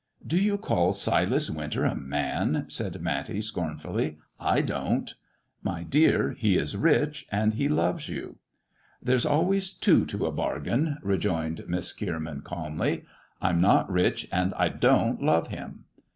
" Do you call Silas Winter a man ?" said Matty, scorn fully. "I don't." " My dear, he is rich, and he loves you." "There's always two to a bargain," rejoined Miss Kierman, calmly. "I'm not rich, and I don't love him.